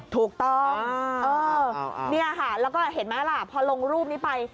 ถูกต้องเนี่ยค่ะแล้วก็เห็นไหมล่ะพอลงรูปนี้ไป